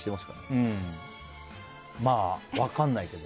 まあ分かんないけど。